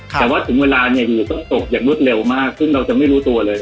แต่ว่าถึงเวลาเนี่ยอยู่ต้องตกอย่างรวดเร็วมากซึ่งเราจะไม่รู้ตัวเลย